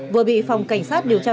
vừa bị phòng cảnh sát điều tra